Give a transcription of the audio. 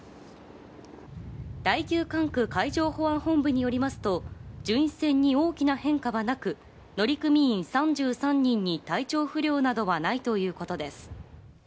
第９管区海上保安本部によりますと巡視船に大きな変化はなく乗組員３３人に体調不良などはないということです。